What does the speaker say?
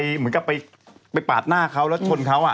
เหมือนกับไปปาดหน้าเขาแล้วชนเขา